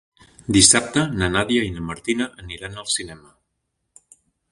Dissabte na Nàdia i na Martina aniran al cinema.